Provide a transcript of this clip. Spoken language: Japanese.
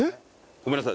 ごめんなさい。